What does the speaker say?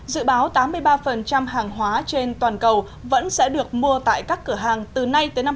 dự báo tám mươi ba hàng hóa trên toàn cầu vẫn sẽ được mua tại các cửa hàng từ nay tới năm hai nghìn hai mươi